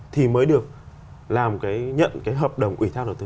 thì mới được làm cái nhận cái hợp đồng ủy thác đầu tư